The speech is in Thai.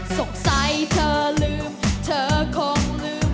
สงสัยเธอลืมเธอคงลืม